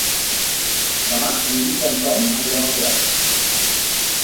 Demà en Guim i en Tom aniran al teatre.